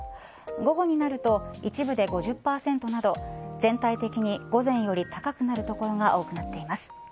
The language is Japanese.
午後になると一部で５０％など全体的に午前より高くなる所が多くなっています。